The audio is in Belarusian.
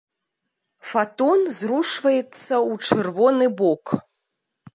Фатон зрушваецца ў чырвоны бок.